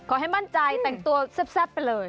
ขอให้มั่นใจแต่งตัวแซ่บไปเลย